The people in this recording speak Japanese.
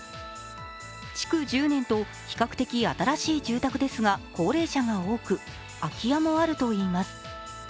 築１０年と比較的新しい住宅ですが高齢者が多く空き家もあるといいます。